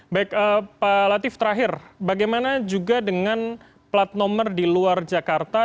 baik pak latif terakhir bagaimana juga dengan plat nomor di luar jakarta